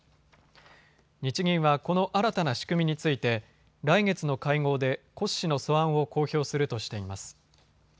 日銀はこの新たな仕組みについて来月の会合で骨子の素案を公表するとしています。